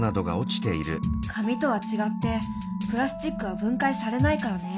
紙とは違ってプラスチックは分解されないからね。